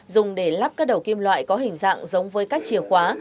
dùng để lắp các đầu kim loại có hình dạng giống với các chìa khóa